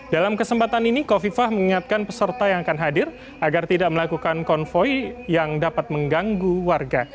dalam kesempatan ini kofifah mengingatkan peserta yang akan hadir agar tidak melakukan konvoy yang dapat mengganggu warga